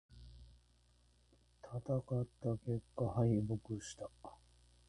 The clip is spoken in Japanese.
戦った結果、敗北した。